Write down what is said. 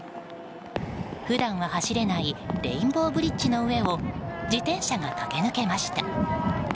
普段は走れないレインボーブリッジの上を自転車が駆け抜けました。